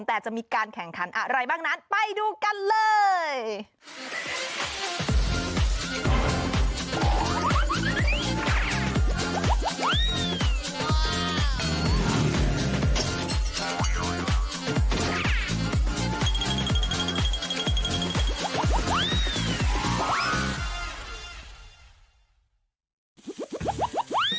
แต่จะมีการแข่งขันอะไรบ้างนั้นไปดูกันเลย